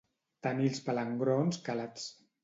Tenir els palangrons calats.